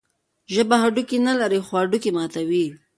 ژبه هډوکي نلري، خو هډوکي ماتوي.